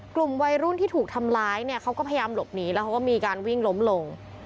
กลุ่มวัยรุ่นที่ถูกทำร้ายเนี่ยเขาก็พยายามหลบหนีแล้วเขาก็มีการวิ่งล้มลง